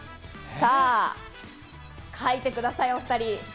さぁ、書いてください、お２人。